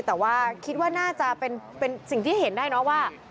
แต่ว่าคิดว่าน่าจะเป็นสิ่งที่เห็นได้เนอะว่า